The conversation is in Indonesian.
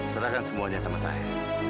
serahkan semuanya sama saya